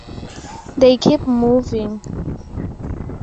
They keep moving.